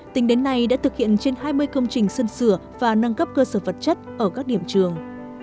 tính đến nay đã thực hiện trên hai mươi công trình sân sửa và nâng cấp cơ sở vật chất ở các điểm trường